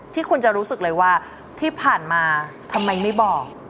ที่คุณจะรู้สึกเลยว่าที่ผ่านมาทำไมไม่บอก